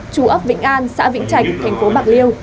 chú ấp vĩnh an xã vĩnh trạch thành phố bạc liêu